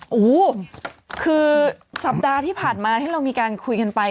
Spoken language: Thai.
โอ้โหคือสัปดาห์ที่ผ่านมาที่เรามีการคุยกันไป